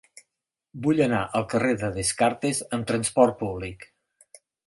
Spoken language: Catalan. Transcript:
Vull anar al carrer de Descartes amb trasport públic.